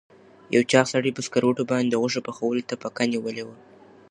یو چاغ سړي په سکروټو باندې د غوښو پخولو ته پکه نیولې وه.